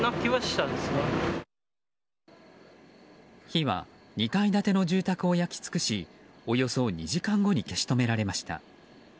火は２階建ての住宅を焼き尽くしおよそ２時間後に消し止められました。